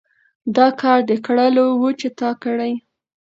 دا کار د کړلو وو چې تا کړى.